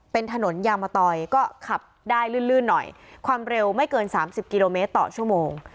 เป็นถนนยางมะตอยก็ขับได้ลื่นลื่นหน่อยความเร็วไม่เกินสามสิบกิโลเมตรต่อชั่วโมง